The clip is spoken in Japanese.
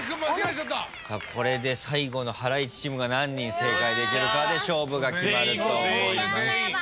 これで最後のハライチチームが何人正解できるかで勝負が決まると思います。